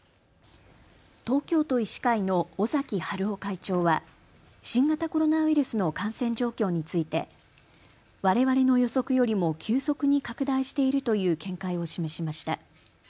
東京都医師会の尾崎治夫会長は新型コロナウイルスの感染状況についてわれわれの予測よりも急速に拡大しているという見解を示しました。